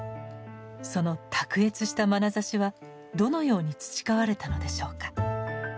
その卓越したまなざしはどのように培われたのでしょうか。